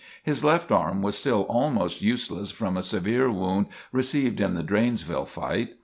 His left arm was still almost useless from a severe wound received in the Dranesville fight.